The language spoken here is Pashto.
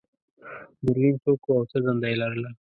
ګرګین څوک و او څه دنده یې لرله؟